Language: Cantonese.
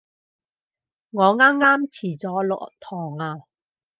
我啱啱遲咗落堂啊